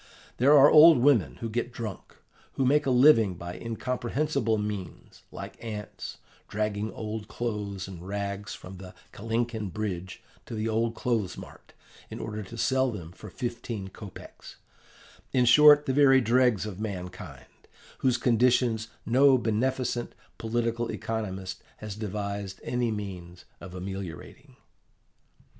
There are old women who get drunk, who make a living by incomprehensible means, like ants, dragging old clothes and rags from the Kalinkin Bridge to the old clothes mart, in order to sell them for fifteen kopeks in short, the very dregs of mankind, whose conditions no beneficent, political economist has devised any means of ameliorating.